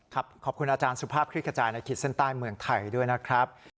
ขอบคุณอาจารย์สุภาพคลิกกระจายในขีดเส้นใต้เมืองไทยด้วยนะครับ